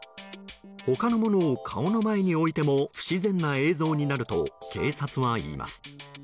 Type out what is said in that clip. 他の物を顔の前に置いても不自然な映像になると警察は言います。